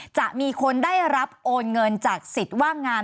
จะมีคนได้รับโอนเงินจากสิทธิ์ว่างงาน